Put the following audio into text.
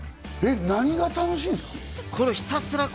何が楽しいんですか？